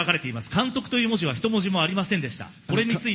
監督という文字は１文字もありませんでした。